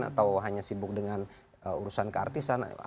atau hanya sibuk dengan urusan keartisan